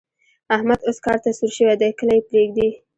احمد اوس کار ته سور شوی دی؛ کله يې پرېږدي.